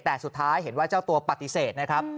แต่สุดท้ายเห็นว่าเจ้าตัวปฏิเสธนะครับ